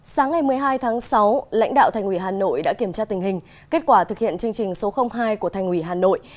sáng ngày một mươi hai tháng sáu lãnh đạo thành ủy hà nội đã kiểm tra tình hình kết quả thực hiện chương trình số hai của thành ủy hà nội